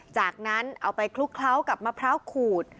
จากนั้นเอาไปคลุกเคล้ากับมะพร้าวขูด